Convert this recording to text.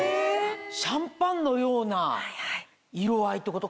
シャンパンのような色合いってこと？